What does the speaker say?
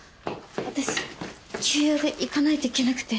私急用で行かないといけなくて。